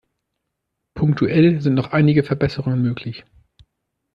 Punktuell sind noch einige Verbesserungen möglich.